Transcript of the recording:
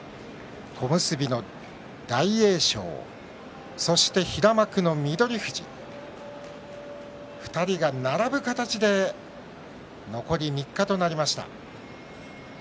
小結の大栄翔そして平幕の翠富士２人が並ぶ形で残り３日となりました。